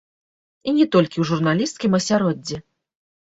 І не толькі ў журналісцкім асяроддзі.